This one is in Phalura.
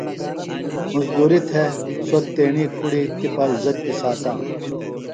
مُزدُری تھےۡ سوۡ تیݨی کُڑیۡ تپِہ عزت کی ساتانوۡ۔